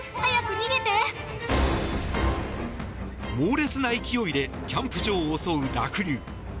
猛烈な勢いでキャンプ場を襲う濁流。